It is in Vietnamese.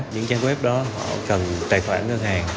những trang web đó họ cần tài khoản ngân hàng